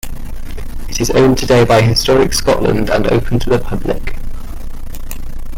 It is owned today by Historic Scotland and open to the public.